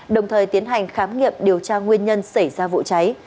đồng thời tiến hành khám nghiệm điều tra nguyên nhân xảy ra vụ cháy